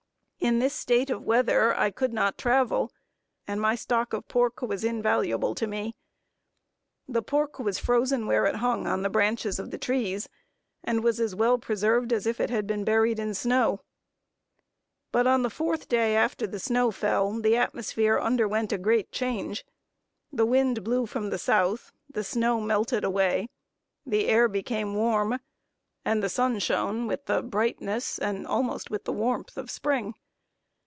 In this state of the weather I could not travel, and my stock of pork was invaluable to me. The pork was frozen where it hung on the branches of the trees, and was as well preserved as if it had been buried in snow; but on the fourth day after the snow fell, the atmosphere underwent a great change. The wind blew from the South, the snow melted away, the air became warm, and the sun shone with the brightness, and almost with the warmth of Spring.